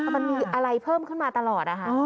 มันมีอะไรเพิ่มขึ้นมาตลอดนะคะ